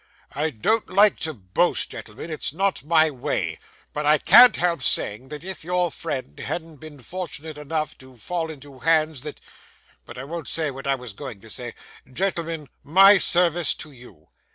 I don't like to boast, gentlemen; it's not my way; but I can't help saying, that, if your friend hadn't been fortunate enough to fall into hands that But I won't say what I was going to say. Gentlemen, my service to you.